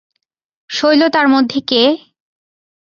শৈল তার মধ্যে কে?